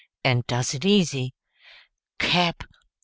and does it easy Cap.